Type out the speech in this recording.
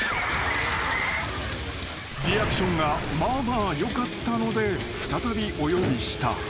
［リアクションがまあまあよかったので再びお呼びした］